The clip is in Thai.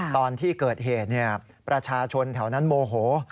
ตอนที่เกิดเหตุประชาชนแถวนั้นโมโห